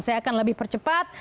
saya akan lebih percepat